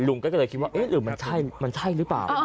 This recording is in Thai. ลุงก็เลยคิดว่าเอ๊ะหรือมันใช่มันใช่หรือเปล่า